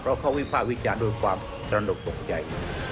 เพราะเขาวิภาควิจารณ์ด้วยความตระหนกตกใจ